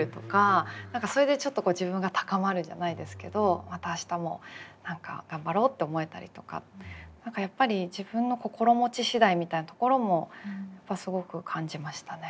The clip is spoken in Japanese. それでちょっと自分が高まるじゃないですけどまた明日も何か頑張ろうって思えたりとか何かやっぱり自分の心持ち次第みたいなところもすごく感じましたね。